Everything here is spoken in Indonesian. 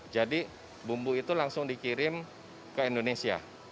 jadi bumbu itu langsung dikirim ke indonesia